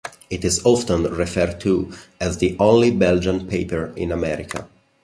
It is often referred to as the "only Belgian paper in America".